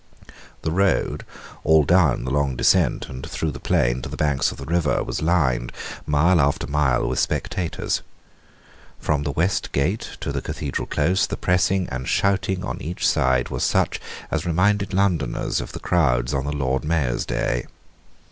The road, all down the long descent, and through the plain to the banks of the river, was lined, mile after mile, with spectators. From the West Gate to the Cathedral Close, the pressing and shouting on each side was such as reminded Londoners of the crowds on the Lord Mayor's day.